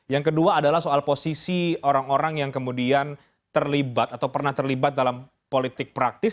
yang kedua adalah soal posisi orang orang yang kemudian terlibat atau pernah terlibat dalam politik praktis